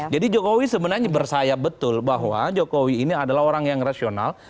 oke itu jelas jadi jokowi sebenarnya bersayap betul bahwa jokowi ini adalah orang yang rasional